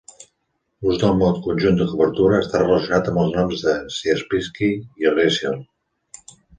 L'ús del mot "conjunt de cobertura" està relacionat amb els nombres de Sierpinski i Riesel.